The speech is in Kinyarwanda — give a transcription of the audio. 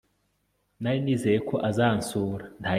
Nari nizeye ko azansura